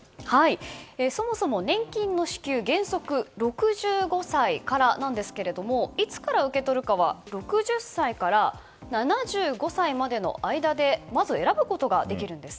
そもそも年金の支給原則、６５歳からなんですがいつから受け取るかは６０歳から７５歳までの間でまず選ぶことができるんです。